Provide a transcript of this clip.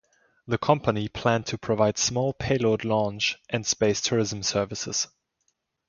The company planned to provide small payload launch and space tourism services.